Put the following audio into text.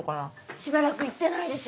しばらく行ってないでしょ